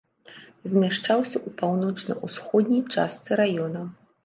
Змяшчаўся ў паўночна-ўсходняй частцы раёна.